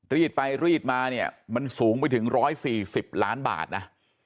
รีดไปรีดมาเนี่ยมันสูงไปถึงร้อยสี่สิบล้านบาทนะ